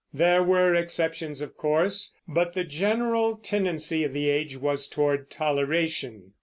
There were exceptions, of course_;_ but the general tendency of the age was toward toleration.